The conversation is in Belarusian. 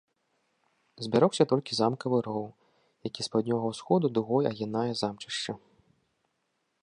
Збярогся толькі замкавы роў, які з паўднёвага усходу дугой агінае замчышча.